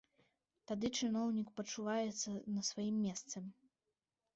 Тады чыноўнік пачуваецца на сваім месцы.